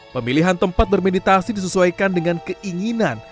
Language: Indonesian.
pemilihan tempat bermeditasi disesuaikan dengan keinginan